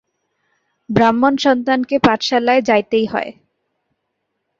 ব্রাহ্মণ সন্তানকে পাঠশালায় যাইতেই হয়।